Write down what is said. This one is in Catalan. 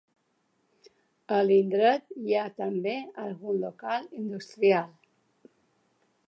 A l'indret hi ha també algun local industrial.